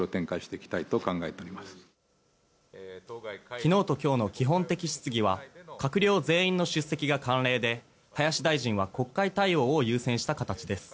昨日と今日の基本的質疑は閣僚全員の出席が慣例で林大臣は国会対応を優先した形です。